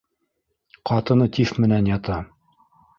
Ҡатыны тиф менән ята.